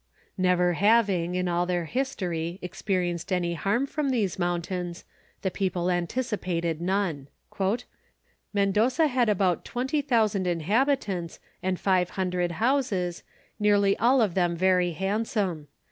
Never having, in all their history, experienced any harm from these mountains, the people anticipated none. "Mendoza had about 20,000 inhabitants and five hundred houses, nearly all of them very handsome.